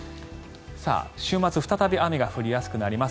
週末再び雨が降りやすくなります。